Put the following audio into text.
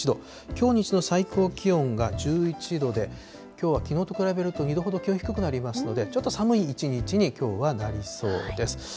きょう日中の最高気温が１１度で、きょうはきのうと比べると２度ほど気温低くなりますので、ちょっと寒い一日にきょうはなりそうです。